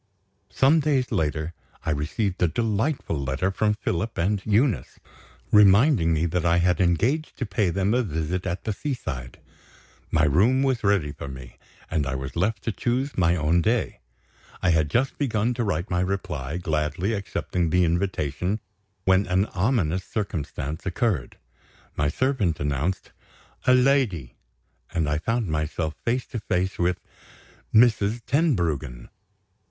Some days later, I received a delightful letter from Philip and Eunice; reminding me that I had engaged to pay them a visit at the seaside. My room was ready for me, and I was left to choose my own day. I had just begun to write my reply, gladly accepting the invitation, when an ominous circumstance occurred. My servant announced "a lady"; and I found myself face to face with Mrs. Tenbruggen!